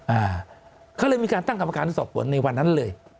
อ่าเขาเลยมีการตั้งกรรมการสอบสวนในวันนั้นเลย